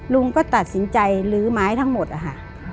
ลุงก็ตัดสินใจลื้อไม้ทั้งหมดอะค่ะ